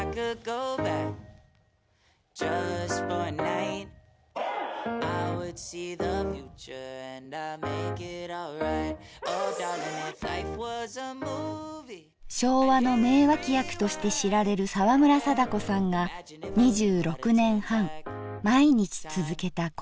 楽しみだな昭和の名脇役として知られる沢村貞子さんが２６年半毎日続けた献立日記。